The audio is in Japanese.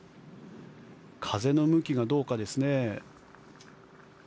風の向きがどうかですね。